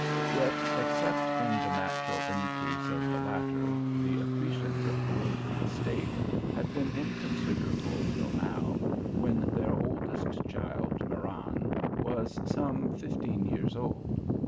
Yet, except in the natural increase of the latter, the accretions of worldly estate had been inconsiderable till now, when their oldest child, Marann, was some fifteen years old.